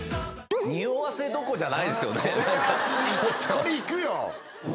これいくよ！